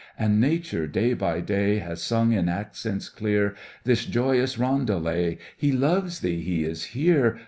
And Nature, day by day, Has sung in accents clear This joyous roundelay, "He loves thee— he is here.